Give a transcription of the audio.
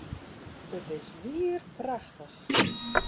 It is wier prachtich!